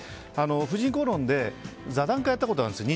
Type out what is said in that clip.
「婦人公論」で座談会やったことあるんですよ。